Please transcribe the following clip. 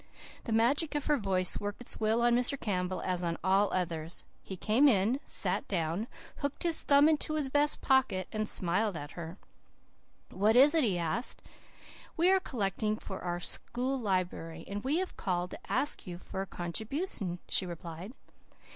The magic of her voice worked its will on Mr. Campbell, as on all others. He came in, sat down, hooked his thumb into his vest pocket, and smiled at her. "What is it?" he asked. "We are collecting for our school library, and we have called to ask you for a contribution," she replied.